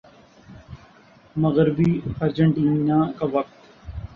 مغربی ارجنٹینا کا وقت